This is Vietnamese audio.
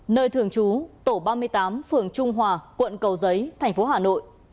nơi thường trú tổ ba mươi tám phường trung hòa quận cầu giấy thành phố hà nội